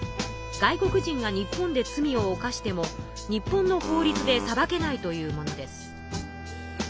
外国人が日本で罪を犯しても日本の法りつで裁けないというものです。